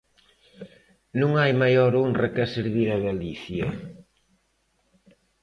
Non hai maior honra que servir a Galicia.